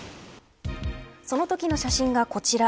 そのときの写真がこちら。